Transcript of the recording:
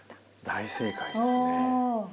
大正解ですね。